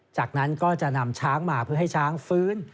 จากนั้นก็จะนำช้างมาเพื่อให้ช้างฟื้น